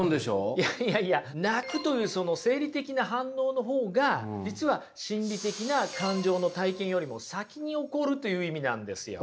いやいやいや泣くというその生理的な反応の方が実は心理的な感情の体験よりも先に起こるという意味なんですよ。